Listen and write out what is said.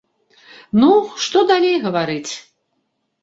Ну, што далей гаварыць.